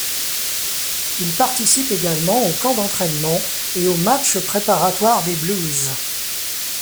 Il participe également au camp d'entraînement et aux matchs préparatoires des Blues.